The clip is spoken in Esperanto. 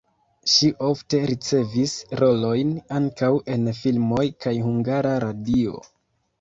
Ŝi ofte ricevis rolojn ankaŭ en filmoj kaj Hungara Radio.